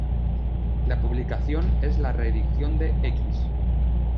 La publicación es la reedición de "Equis.